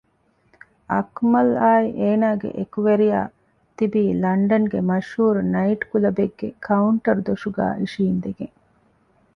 އަކުމަލްއާއި އޭނާގެ އެކުވެރިޔާ ތިބީ ލަންޑަންގެ މަޝްހޫރު ނައިޓު ކުލަބެއްގެ ކައުންޓަރު ދޮށުގައި އިށީނދެގެން